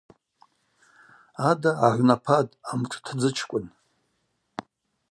Ада гӏагӏвнапатӏ амшӏтдзычкӏвын.